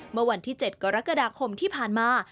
เมื่อวันที่๗กรกฎาคมที่ผ่านมา